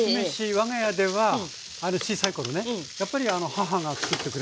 我が家では小さい頃ねやっぱり母がつくってくれましたけども。